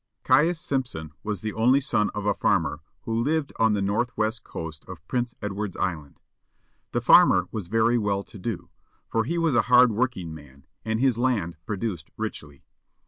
Caius Simpson was the only son of a farmer who lived on the north west coast of Prince Edward's Island. The farmer was very well to do, for he was a hard working man, and his land produced richly.